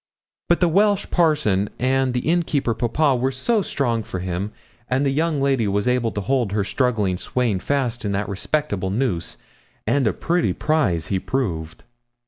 But the Welsh parson and the innkeeper papa were too strong for him, and the young lady was able to hold her struggling swain fast in that respectable noose and a pretty prize he proved!'